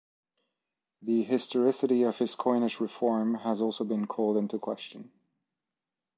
The historicity of his coinage reform has also been called into question.